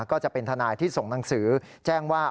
ก็จะเป็นทนายที่ส่งหนังสือแจ้งว่า